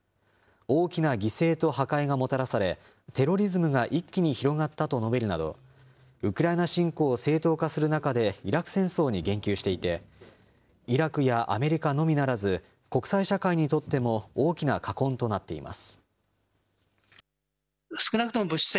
大きな犠牲と破壊がもたらされ、テロリズムが一気に広がったと述べるなど、ウクライナ侵攻を正当化する中で、イラク戦争に言及していて、イラクやアメリカのみならず、国際社会にとっても大きな禍根となっています。